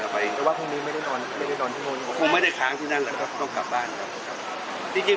แต่ว่าพรุ่งนี้ไม่ได้นอนที่โน่น